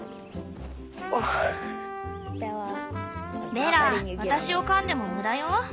ベラ私を噛んでもムダよ。